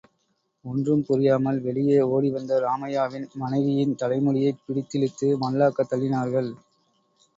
ஒன்றும் புரியாமல் வெளியே ஓடிவந்த ராமையாவின் மனைவியின் தலைமுடியைப் பிடித்திழுத்து மல்லாக்கத் தள்ளினார்க்ள்.